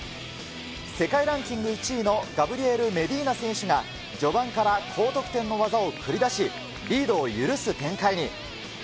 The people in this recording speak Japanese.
世界ランキング１位のガブリエル・メディーナ選手が序盤から高得点の技を繰り出し、リードを許す展開に。